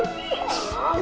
kita mau pulang